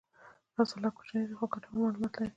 رساله کوچنۍ ده خو ګټور معلومات لري.